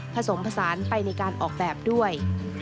ผสมผสานไปในการออกแบบด้วย